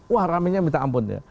wah ramenya minta ampun ya